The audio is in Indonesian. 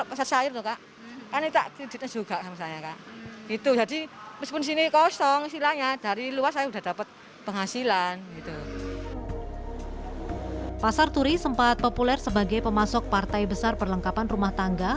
pasar turi sempat populer sebagai pemasok partai besar perlengkapan rumah tangga